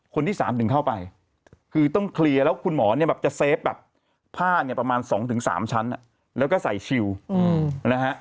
คนที่๓ถึงเข้าไปคือต้องเคลียร์แล้วคุณหมอเนี่ยแบบจะเฟฟแบบผ้าเนี่ยประมาณ๒๓ชั้นแล้วก็ใส่ชิลนะฮะ